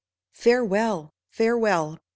Farewell ! farewell !